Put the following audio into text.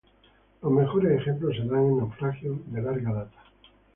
Los mejores ejemplos se dan en naufragios de larga data.